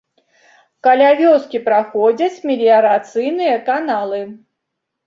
Каля вёскі праходзяць меліярацыйныя каналы.